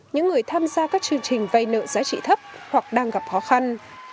những người tham gia các chương trình vay nợ giá trị thấp hoặc đang gặp khó khăn